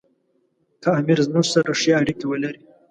که امیر زموږ سره ښې اړیکې ولري.